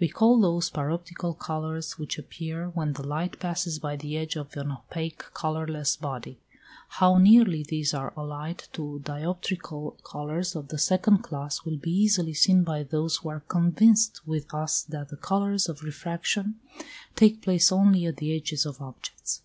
We call those paroptical colours which appear when the light passes by the edge of an opaque colourless body. How nearly these are allied to the dioptrical colours of the second class will be easily seen by those who are convinced with us that the colours of refraction [Pg 163] take place only at the edges of objects.